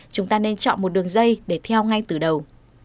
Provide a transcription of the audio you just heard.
chúng ta nên chọn một đường dây để theo ngay từ đầu